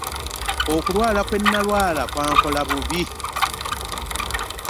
Okulwala kwe nalwala kwankola bubi.